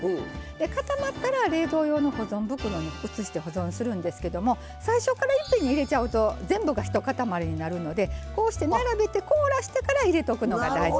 固まったら冷凍用の保存袋に移して保存するんですけども最初からいっぺんに入れちゃうと全部が一塊になるのでこうして並べて凍らしてから入れとくのが大事なんです。